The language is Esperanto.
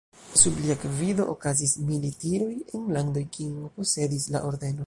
Sub lia gvido okazis militiroj en landoj kiujn posedis la ordeno.